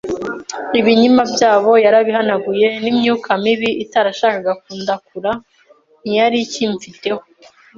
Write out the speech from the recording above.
Ibinyima byabo yarabihanaguye, n’imyuka mibi itarashakaga kundakura ntiyari ikimfiteho